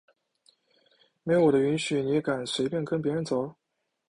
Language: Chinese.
没有我的允许你敢随便跟别人走？！